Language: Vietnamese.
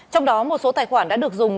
trong đó một số tài khoản đã được dùng